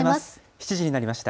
７時になりました。